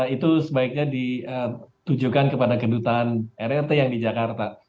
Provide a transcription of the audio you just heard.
itu sebaiknya ditujukan kepada kedutaan rrt yang di jakarta